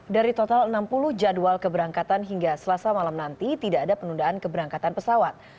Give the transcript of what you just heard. dari total enam puluh jadwal keberangkatan hingga selasa malam nanti tidak ada penundaan keberangkatan pesawat